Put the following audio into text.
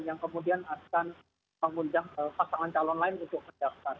yang kemudian akan mengundang pasangan calon lain untuk mendaftar